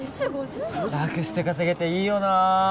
⁉楽して稼げていいよな。